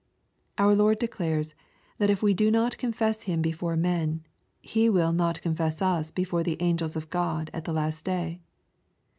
Our Lord declares, that if we do not confess Him before men, He will "not confess us before the angels of God" at the last day.